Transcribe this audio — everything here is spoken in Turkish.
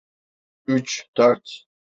Üç, dört.